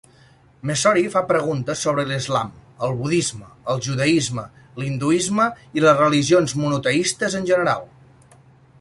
Messori fa preguntes sobre l"islam, el budisme, el judaisme, l"hinduisme i les religions monoteistes en general.